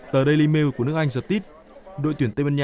tờ daily mail của nước anh giật tít